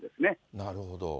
なるほど。